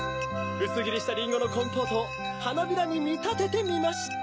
うすぎりしたリンゴのコンポートをはなびらにみたててみました！